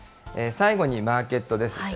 最後にマーケットです。